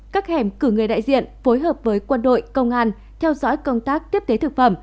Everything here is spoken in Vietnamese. các hẻm cử người đại diện phối hợp với quân đội công an theo dõi công tác tiếp tế thực phẩm